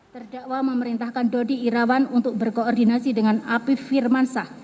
terdakwa memerintahkan dodi irawan untuk berkoordinasi dengan apif firmansyah